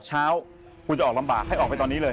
เช้าคุณจะออกลำบากให้ออกไปตอนนี้เลย